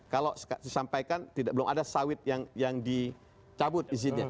kalau disampaikan belum ada sawit yang dicabut izinnya